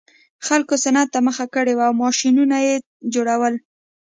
خلکو صنعت ته مخه کړې وه او ماشینونه یې جوړول